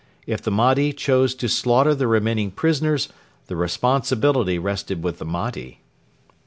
If the Mahdi chose to slaughter the remaining prisoners, the responsibility rested with the Mahdi.